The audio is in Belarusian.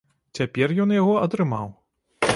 Цяпер ён яго атрымаў.